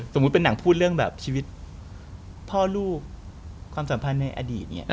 เป็นหนังพูดเรื่องแบบชีวิตพ่อลูกความสัมพันธ์ในอดีตเนี่ย